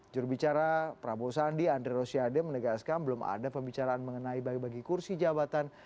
jurubicara prabowo sandi andre rosiade menegaskan belum ada pembicaraan mengenai bagi bagi kursi jabatan